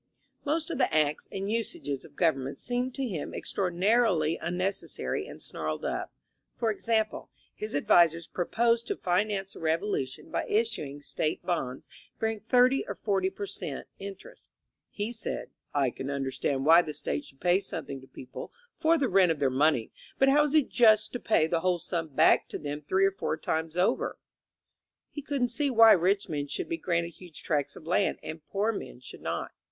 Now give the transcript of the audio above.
Most of the acts and usages of government seemed to him ex traordinarily unnecessary and snarled up. For exam ple, his advisers proposed to finance the Revolution by issuing State bonds bearing SO or 40 per cent, in terest. He said, ^^I can understand why the State should pay something to people for the rent of their money, but how is it just to pay the whole sum back to them three or four times over?" He couldn't see why rich men should be granted huge tracts of land and poor men should not.